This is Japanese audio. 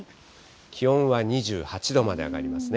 気温は２８度まで上がりますね。